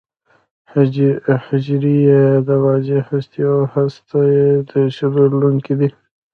حجرې یې د واضح هستې او هسته چي درلودونکې دي.